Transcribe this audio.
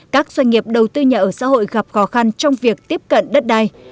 các doanh nghiệp đầu tư nhà ở xã hội gặp khó khăn trong việc tiếp cận đất đai